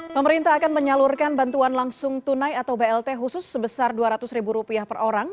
pemerintah akan menyalurkan bantuan langsung tunai atau blt khusus sebesar dua ratus ribu rupiah per orang